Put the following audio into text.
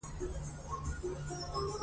راته ويې ويل هغه مو دلته ښخ کړى و.